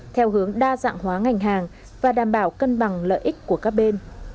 theo hướng đa dạng hóa ngành hàng và đảm bảo cân bằng lợi ích của các bên